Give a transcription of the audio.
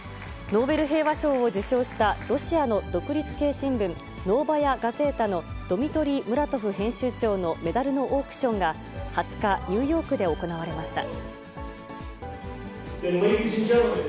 ノーベル平和賞を受賞した、ロシアの独立系新聞、ノーバヤ・ガゼータのドミトリー・ムラトフ編集長のメダルのオークションが２０日、ニューヨークで行われました。